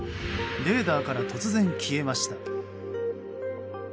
レーダーから突然消えました。